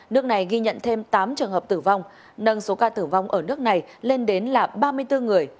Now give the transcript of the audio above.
nước này ghi nhận thêm tám trường hợp tử vong nâng số ca tử vong ở nước này lên đến là ba mươi bốn người